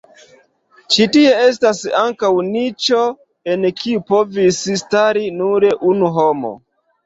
Ĉi tie estas ankaŭ niĉo, en kiu povis stari nur unu homo.